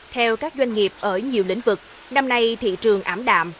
theo các doanh nghiệp ở nhiều lĩnh vực năm nay thị trường ảm đạm